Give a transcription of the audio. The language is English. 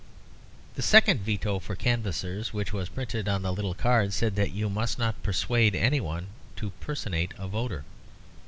The second veto for canvassers which was printed on the little card said that you must not persuade any one to personate a voter.